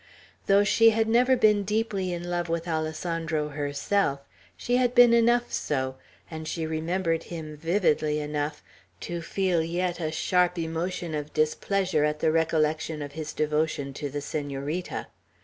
Though she had never been deeply in love with Alessandro herself, she had been enough so, and she remembered him vividly enough, to feel yet a sharp emotion of displeasure at the recollection of his devotion to the Senorita.